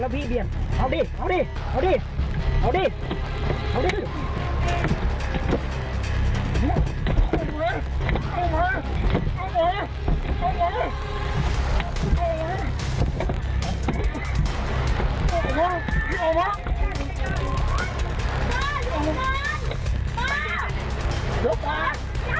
เปลี่ยนน่ะท่าน